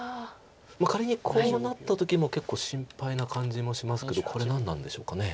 仮にこうなった時も結構心配な感じもしますけどこれ何なんでしょうか。